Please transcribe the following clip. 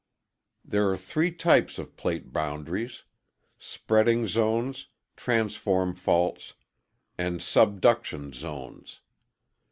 ] There are three types of plate boundaries: spreading zones, transform faults, and subduction zones.